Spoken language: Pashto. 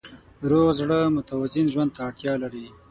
روغ زړه متوازن ژوند ته اړتیا لري.